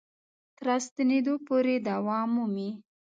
تر راستنېدو پورې دوام مومي.